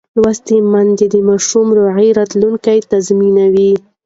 لوستې میندې د ماشوم روغ راتلونکی تضمینوي.